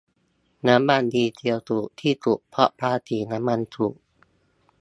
น้ำมันดีเซลถูกที่สุดเพราะภาษีน้ำมันถูก